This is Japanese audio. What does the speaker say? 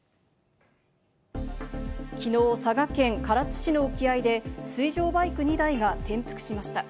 きのう、佐賀県唐津市の沖合で水上バイク２台が転覆しました。